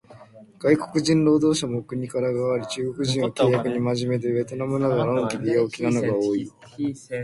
外国人労働者もお国柄があり、中国人は契約に真面目で、ベトナムなどは呑気で陽気なのが多い